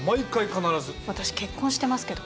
私結婚してますけど。